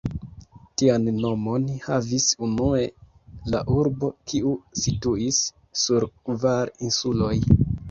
Tian nomon havis unue la urbo, kiu situis sur kvar insuloj.